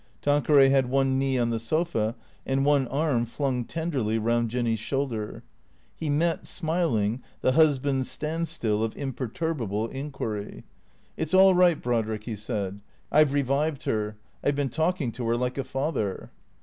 Tanqueray had one knee on the sofa and one arm flung tenderly round Jinny's shoulder. He met, smiling, the husband's standstill of imperturbable inquiry. 442 THE CEEA TORS 443 " It 's all right, Brodrick/' he said. " I 've revived her. I 've been talking to her like a father."